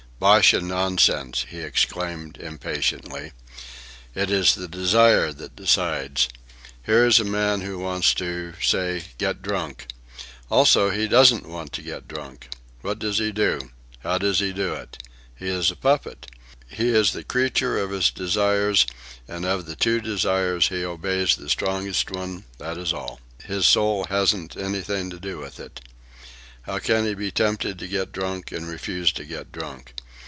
"Bosh and nonsense!" he exclaimed impatiently. "It is the desire that decides. Here is a man who wants to, say, get drunk. Also, he doesn't want to get drunk. What does he do? How does he do it? He is a puppet. He is the creature of his desires, and of the two desires he obeys the strongest one, that is all. His soul hasn't anything to do with it. How can he be tempted to get drunk and refuse to get drunk?